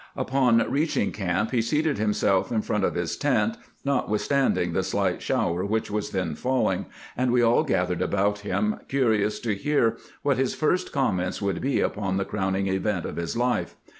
Upon reaching camp he seated himself in front of his tent, notwithstanding the slight shower which was then falling, and we aU gathered about him, curious to hear what his first comments would be upon the crown ing event of his life.